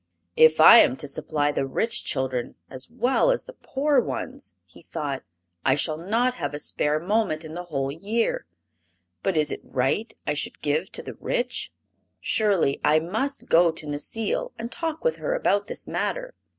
"If I am to supply the rich children as well as the poor ones," he thought, "I shall not have a spare moment in the whole year! But is it right I should give to the rich? Surely I must go to Necile and talk with her about this matter."